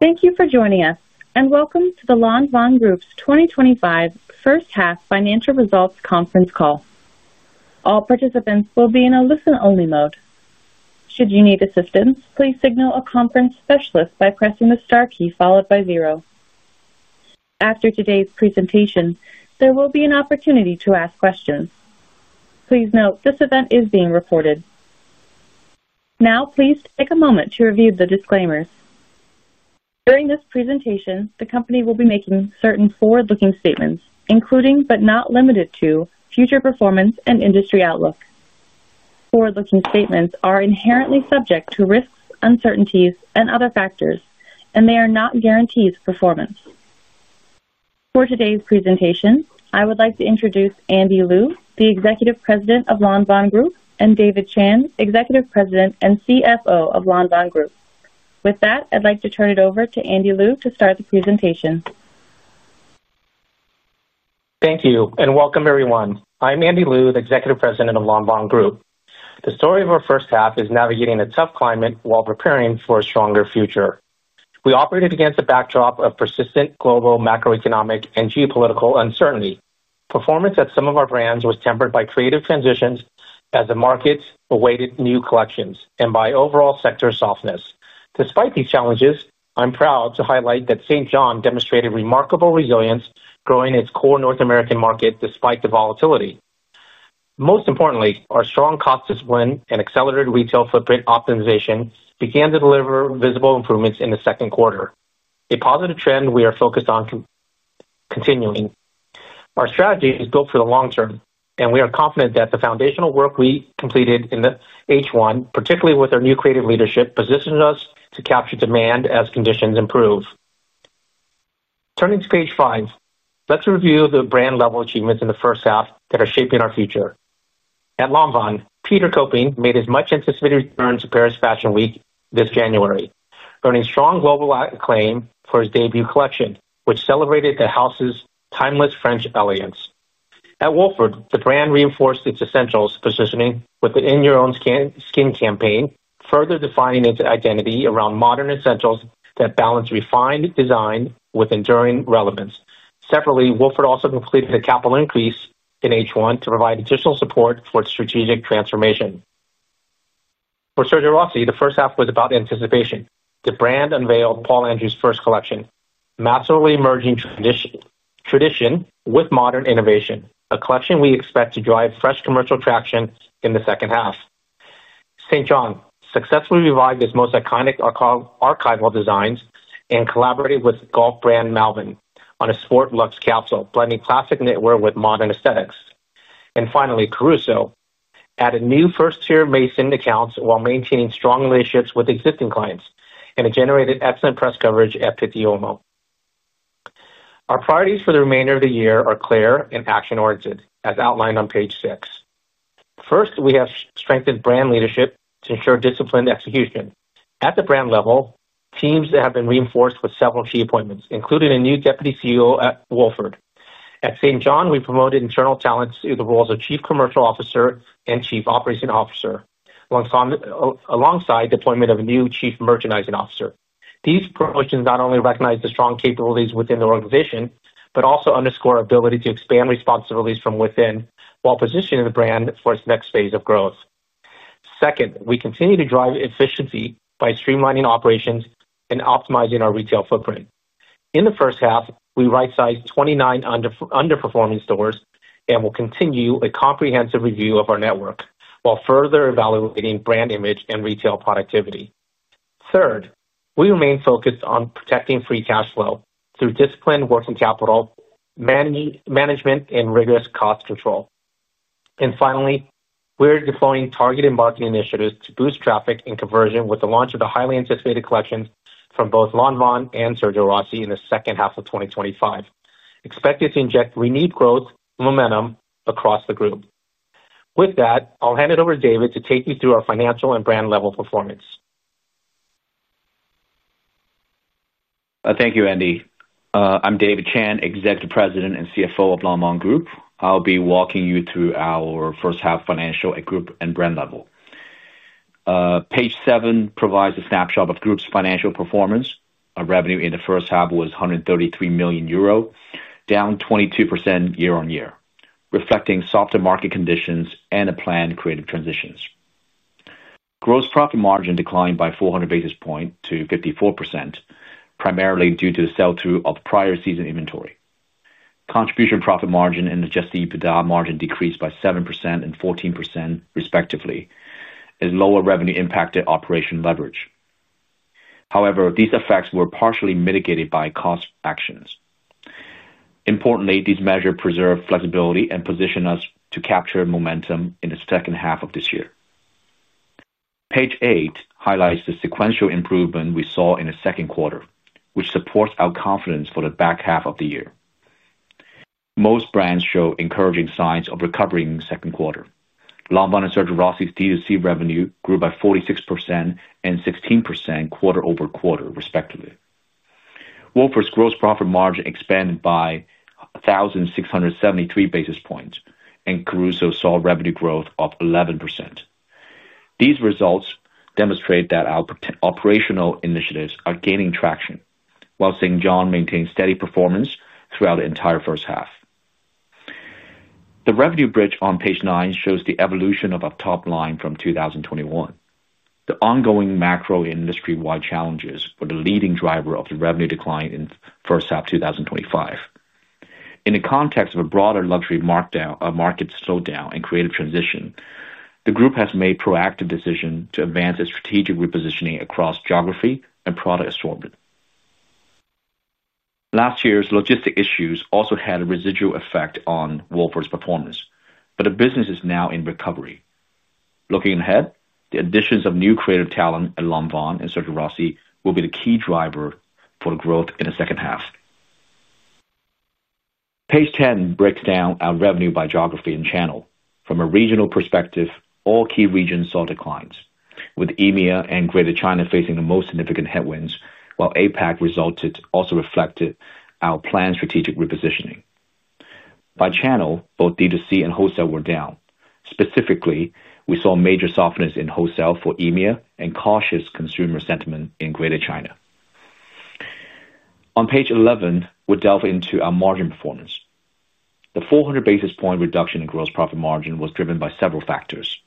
Thank you for joining us and welcome to the Lanvin Group's 2025 First Half Financial Results Conference Call. All participants will be in a listen-only mode. Should you need assistance, please signal a conference specialist by pressing the Star key followed by zero. After today's presentation, there will be an opportunity to ask questions. Please note this event is being recorded. Now, please take a moment to review the disclaimers. During this presentation, the company will be making certain forward-looking statements, including but not limited to future performance and industry outlook. Forward-looking statements are inherently subject to risks, uncertainties, and other factors, and they are not guaranteed performance. For today's presentation, I would like to introduce Andy Lew, the Executive President of Lanvin Group, and David Chan, Executive President and CFO of Lanvin Group. With that, I'd like to turn it over to Andy Lew to start the presentation. Thank you and welcome everyone. I'm Andy Lew, the Executive President of Lanvin Group. The story of our first half is navigating a tough climate while preparing for a stronger future. We operated against a backdrop of persistent global macroeconomic and geopolitical uncertainty. Performance at some of our brands was tempered by creative transitions as the markets awaited new collections and by overall sector softness. Despite these challenges, I'm proud to highlight that St. John demonstrated remarkable resilience, growing its core North American market despite the volatility. Most importantly, our strong cost discipline and accelerated retail footprint optimization began to deliver visible improvements in the second quarter, a positive trend we are focused on continuing. Our strategy is built for the long term, and we are confident that the foundational work we completed in the H1, particularly with our new creative leadership, positions us to capture demand as conditions improve. Turning to page five, let's review the brand-level achievements in the first half that are shaping our future. At Lanvin, Peter Copping made his much-anticipated return to Paris Fashion Week this January, earning strong global acclaim for his debut collection, which celebrated the house's timeless French elegance. At Wolford, the brand reinforced its essentials positioning with the In Your Own Skin campaign, further defining its identity around modern essentials that balance refined design with enduring relevance. Separately, Wolford also completed a capital increase in H1 to provide additional support for its strategic transformation. For Sergio Rossi, the first half was about anticipation. The brand unveiled Paul Andrew's first collection, a massively emerging tradition with modern innovation, a collection we expect to drive fresh commercial traction in the second half. John successfully revived its most iconic archival designs and collaborated with golf brand Malvin on a Sport Luxe capsule, blending classic knitwear with modern aesthetics. Finally, Caruso added new first-tier Maison accounts while maintaining strong relationships with existing clients, and it generated excellent press coverage at Pitti Uomo. Our priorities for the remainder of the year are clear and action-oriented, as outlined on page six. First, we have strengthened brand leadership to ensure disciplined execution. At the brand level, teams have been reinforced with several key appointments, including a new Deputy CEO at Wolford. At St. John, we promoted internal talents through the roles of Chief Commercial Officer and Chief Operations Officer, alongside the appointment of a new Chief Merchandising Officer. These promotions not only recognize the strong capabilities within the organization, but also underscore our ability to expand responsibilities from within while positioning the brand for its next phase of growth. Second, we continue to drive efficiency by streamlining operations and optimizing our retail footprint. In the first half, we right-sized 29 underperforming stores and will continue a comprehensive review of our network while further evaluating brand image and retail productivity. Third, we remain focused on protecting free cash flow through disciplined working capital management and rigorous cost control. Finally, we're deploying targeted marketing initiatives to boost traffic and conversion with the launch of the highly anticipated collections from both Lanvin and Sergio Rossi in the second half of 2025, expected to inject renewed growth and momentum across the group. With that, I'll hand it over to David to take you through our financial and brand-level performance. Thank you, Andy. I'm David Chan, Executive President and CFO of Lanvin Group. I'll be walking you through our first half financial at group and brand level. Page seven provides a snapshot of the group's financial performance. Our revenue in the first half was €133 million, down 22% year-on-year, reflecting softer market conditions and a planned creative transitions. Gross profit margin declined by 400 basis points to 54%, primarily due to the sell-through of prior season inventory. Contribution profit margin and adjusted EBITDA margin decreased by 7% and 14% respectively, as lower revenue impacted operation leverage. However, these effects were partially mitigated by cost actions. Importantly, these measures preserve flexibility and position us to capture momentum in the second half of this year. Page eight highlights the sequential improvement we saw in the second quarter, which supports our confidence for the back half of the year. Most brands show encouraging signs of recovery in the second quarter. Lanvin and Sergio Rossi's D2C revenue grew by 46% and 16% quarter-over-quarter, respectively. Wolford's gross profit margin expanded by 1,673 basis points, and Caruso saw revenue growth of 11%. These results demonstrate that our operational initiatives are gaining traction, while St. John maintains steady performance throughout the entire first half. The revenue bridge on page nine shows the evolution of our top line from 2021. The ongoing macro and industry-wide challenges were the leading driver of the revenue decline in the first half of 2025. In the context of a broader luxury market slowdown and creative transition, the group has made a proactive decision to advance a strategic repositioning across geography and product assortment. Last year's logistic issues also had a residual effect on Wolford's performance, but the business is now in recovery. Looking ahead, the additions of new creative talent at Lanvin and Sergio Rossi will be the key driver for the growth in the second half. Page 10 breaks down our revenue by geography and channel. From a regional perspective, all key regions saw declines, with EMEA and Greater China facing the most significant headwinds, while APAC also reflected our planned strategic repositioning. By channel, both D2C and wholesale were down. Specifically, we saw major softness in wholesale for EMEA and cautious consumer sentiment in Greater China. On page 11, we delve into our margin performance. The 400 basis point reduction in gross profit margin was driven by several factors: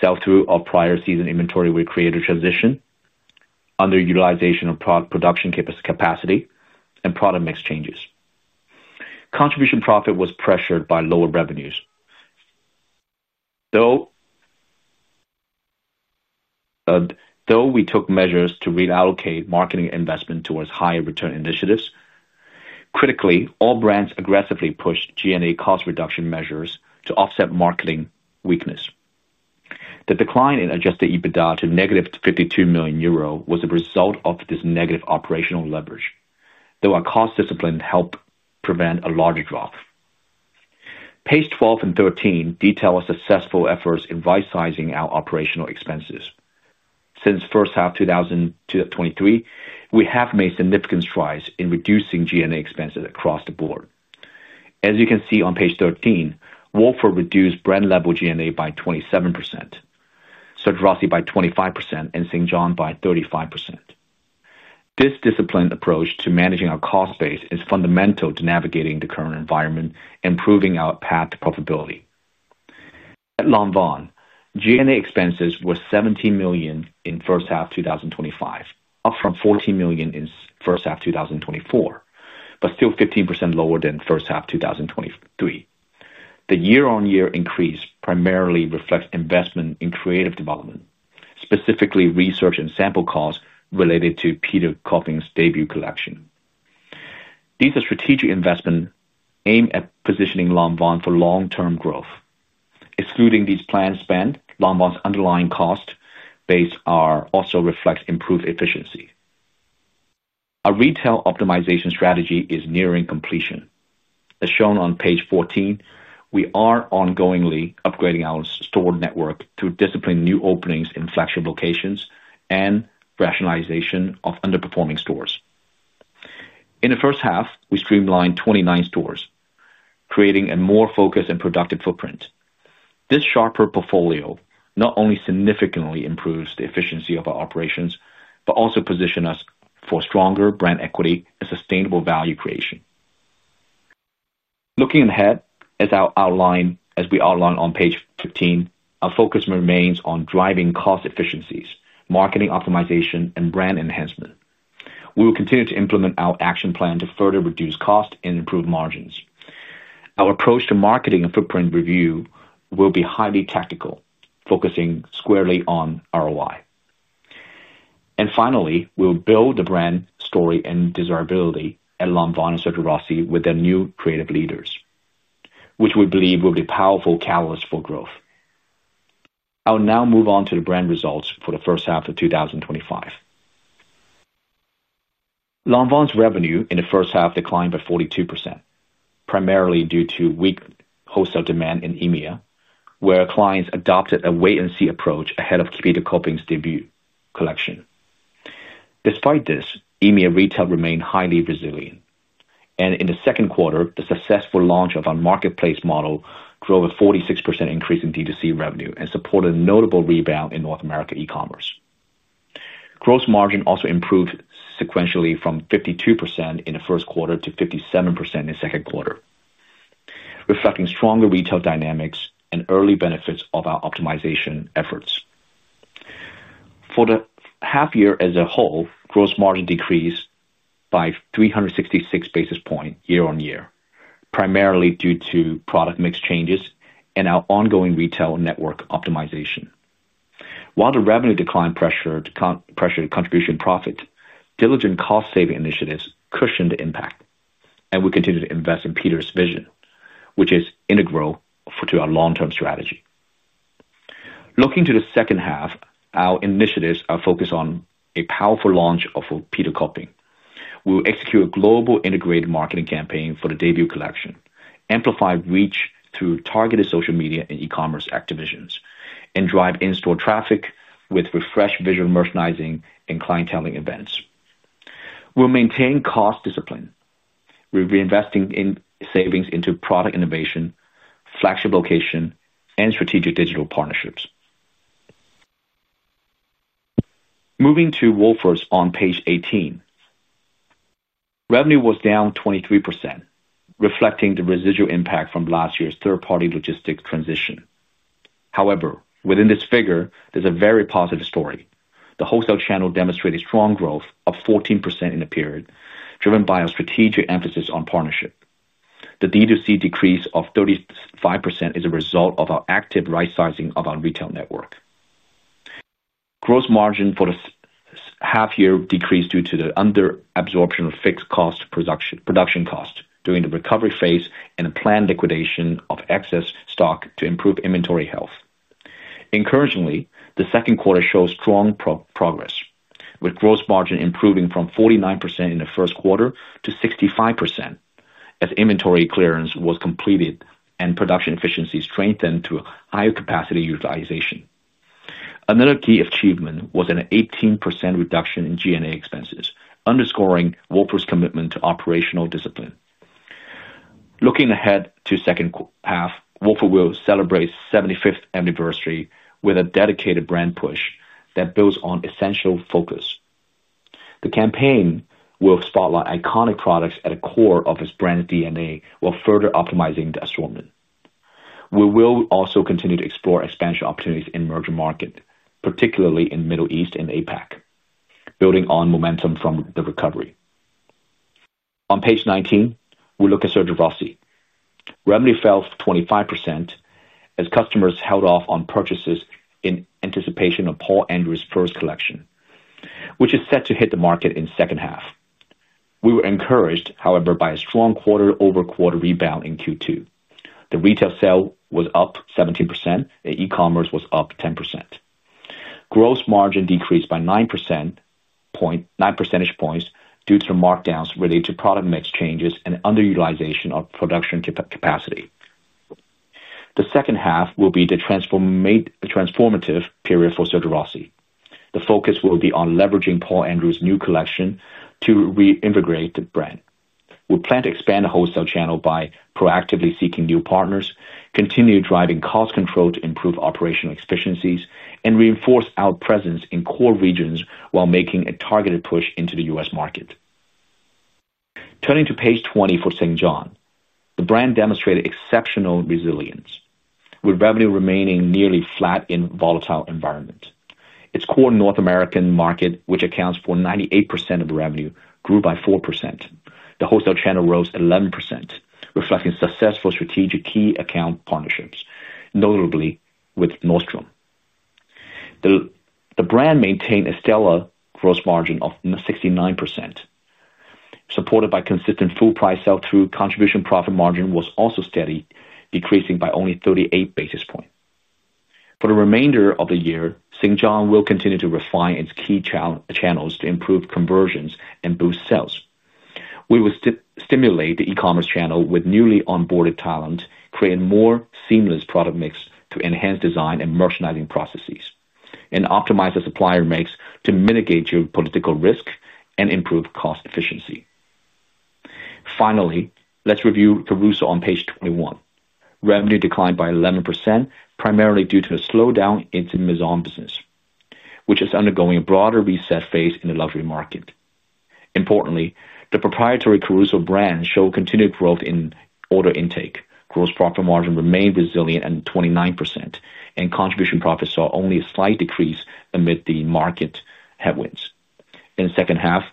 sell-through of prior season inventory with creative transition, underutilization of product production capacity, and product mix changes. Contribution profit was pressured by lower revenues, though we took measures to reallocate marketing investment towards higher return initiatives. Critically, all brands aggressively pushed G&A cost reduction measures to offset marketing weakness. The decline in adjusted EBITDA to €52 million was a result of this negative operational leverage, though our cost discipline helped prevent a larger drop. Pages 12 and 13 detail our successful efforts in right-sizing our operational expenses. Since the first half of 2023, we have made significant strides in reducing G&A expenses across the board. As you can see on page 13, Wolford reduced brand-level G&A by 27%, Sergio Rossi by 25%, and St. John by 35%. This disciplined approach to managing our cost base is fundamental to navigating the current environment and proving our path to profitability. At Lanvin, G&A expenses were €17 million in the first half of 2025, up from €14 million in the first half of 2024, but still 15% lower than the first half of 2023. The year-on-year increase primarily reflects investment in creative development, specifically research and sample costs related to Peter Copping's debut collection. These are strategic investments aimed at positioning Lanvin for long-term growth. Excluding these planned spends, Lanvin's underlying cost base also reflects improved efficiency. Our retail footprint optimization strategy is nearing completion. As shown on page 14, we are ongoingly upgrading our store network to discipline new openings in flexible locations and rationalization of underperforming stores. In the first half, we streamlined 29 stores, creating a more focused and productive footprint. This sharper portfolio not only significantly improves the efficiency of our operations, but also positions us for stronger brand equity and sustainable value creation. Looking ahead, as we outlined on page 15, our focus remains on driving cost efficiencies, marketing optimization, and brand enhancement. We will continue to implement our action plan to further reduce cost and improve margins. Our approach to marketing and footprint review will be highly tactical, focusing squarely on ROI. Finally, we will build the brand story and desirability at Lanvin and Sergio Rossi with their new creative leaders, which we believe will be a powerful catalyst for growth. I'll now move on to the brand results for the first half of 2025. Lanvin's revenue in the first half declined by 42%, primarily due to weak wholesale demand in EMEA, where clients adopted a wait-and-see approach ahead of Peter Copping's debut collection. Despite this, EMEA retail remained highly resilient, and in the second quarter, the successful launch of our marketplace model drove a 46% increase in D2C revenue and supported a notable rebound in North America e-commerce. Gross margin also improved sequentially from 52% in the first quarter to 57% in the second quarter, reflecting stronger retail dynamics and early benefits of our optimization efforts. For the half year as a whole, gross margin decreased by 366 basis points year-on-year, primarily due to product mix changes and our ongoing retail network optimization. While the revenue decline pressured contribution profit, diligent cost-saving initiatives cushioned the impact, and we continue to invest in Peter's vision, which is integral to our long-term strategy. Looking to the second half, our initiatives are focused on a powerful launch for Peter Copping. We will execute a global integrated marketing campaign for the debut collection, amplify reach through targeted social media and e-commerce activations, and drive in-store traffic with refreshed visual merchandising and clienteling events. We'll maintain cost discipline with reinvesting savings into product innovation, flexible location, and strategic digital partnerships. Moving to Wolford's on page 18, revenue was down 23%, reflecting the residual impact from last year's third-party logistics transition. However, within this figure, there's a very positive story. The wholesale channel demonstrated strong growth of 14% in a period driven by our strategic emphasis on partnership. The D2C decrease of 35% is a result of our active right-sizing of our retail network. Gross margin for the half year decreased due to the under-absorption of fixed cost production costs during the recovery phase and the planned liquidation of excess stock to improve inventory health. Encouragingly, the second quarter shows strong progress, with gross margin improving from 49% in the first quarter to 65% as inventory clearance was completed and production efficiency strengthened to higher capacity utilization. Another key achievement was an 18% reduction in G&A expenses, underscoring Wolford's commitment to operational discipline. Looking ahead to the second half, Wolford will celebrate its 75th anniversary with a dedicated brand push that builds on essential focus. The campaign will spotlight iconic products at the core of its brand DNA while further optimizing the assortment. We will also continue to explore expansion opportunities in the emerging markets, particularly in the Middle East and APAC, building on momentum from the recovery. On page 19, we look at Sergio Rossi. Revenue fell 25% as customers held off on purchases in anticipation of Paul Andrew's first collection, which is set to hit the market in the second half. We were encouraged, however, by a strong quarter over quarter rebound in Q2. The retail sale was up 17%, and e-commerce was up 10%. Gross margin decreased by 9 percentage points due to the markdowns related to product mix changes and underutilization of production capacity. The second half will be the transformative period for Sergio Rossi. The focus will be on leveraging Paul Andrew's new collection to reintegrate the brand. We plan to expand the wholesale channel by proactively seeking new partners, continue driving cost control to improve operational efficiencies, and reinforce our presence in core regions while making a targeted push into the U.S., market. Turning to page 20 for St. John, the brand demonstrated exceptional resilience, with revenue remaining nearly flat in a volatile environment. Its core North American market, which accounts for 98% of revenue, grew by 4%. The wholesale channel rose at 11%, reflecting successful strategic key account partnerships, notably with Nordstrom. The brand maintained a stellar gross margin of 69%, supported by consistent full-price sell-through. Contribution profit margin was also steady, decreasing by only 38 basis points. For the remainder of the year, St. John will continue to refine its key channels to improve conversions and boost sales. We will stimulate the e-commerce channel with newly onboarded talent, creating a more seamless product mix to enhance design and merchandising processes, and optimize the supplier mix to mitigate geopolitical risk and improve cost efficiency. Finally, let's review Caruso on page 21. Revenue declined by 11%, primarily due to a slowdown in the Maison business, which is undergoing a broader reset phase in the luxury market. Importantly, the proprietary Caruso brand showed continued growth in order intake. Gross profit margin remained resilient at 29%, and contribution profit saw only a slight decrease amid the market headwinds. In the second half,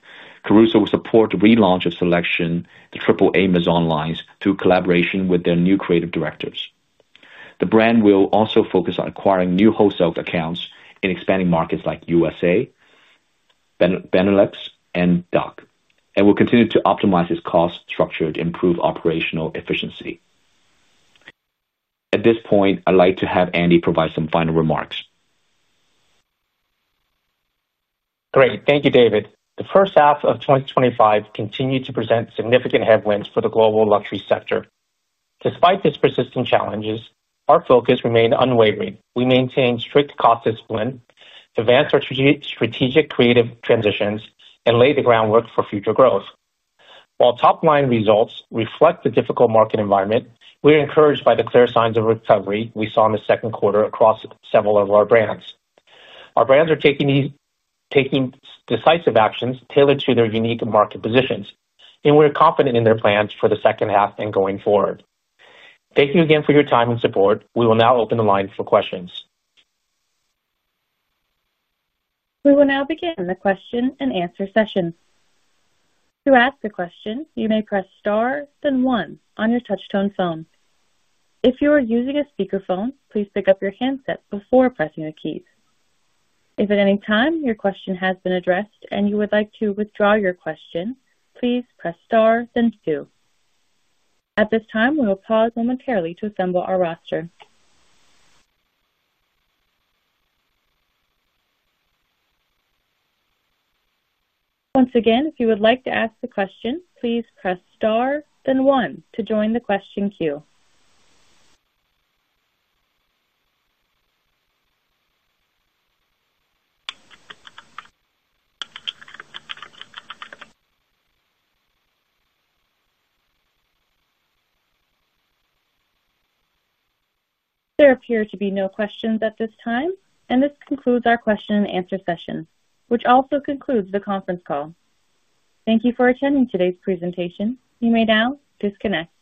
Caruso will support the relaunch of selection to AAA Maison lines through collaboration with their new creative directors. The brand will also focus on acquiring new wholesale accounts in expanding markets like USA, Benelux, and DOC, and will continue to optimize its cost structure to improve operational efficiency. At this point, I'd like to have Andy provide some final remarks. Great. Thank you, David. The first half of 2025 continued to present significant headwinds for the global luxury sector. Despite these persistent challenges, our focus remained unwavering. We maintained strict cost discipline, advanced our strategic creative transitions, and laid the groundwork for future growth. While top-line results reflect the difficult market environment, we are encouraged by the clear signs of recovery we saw in the second quarter across several of our brands. Our brands are taking decisive actions tailored to their unique market positions, and we are confident in their plans for the second half and going forward. Thank you again for your time and support. We will now open the line for questions. We will now begin the question and answer session. To ask a question, you may press Star, then one on your touch-tone phone. If you are using a speaker phone, please pick up your handset before pressing the keys. If at any time your question has been addressed and you would like to withdraw your question, please press Star, then two. At this time, we will pause momentarily to assemble our roster. Once again, if you would like to ask a question, please press Star, then one to join the question queue. There appear to be no questions at this time, and this concludes our question and answer session, which also concludes the conference call. Thank you for attending today's presentation. You may now disconnect.